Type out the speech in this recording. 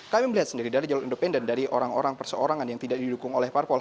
kami melihat sendiri dari jalur independen dari orang orang perseorangan yang tidak didukung oleh parpol